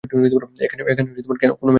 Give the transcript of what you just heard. এখানে কোনো ম্যাক্স নেই।